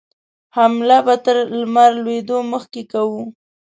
حمله به تر لمر لوېدو مخکې کوو.